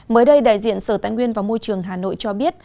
mới đây đại diện sở tài nguyên và môi trường hà nội cho biết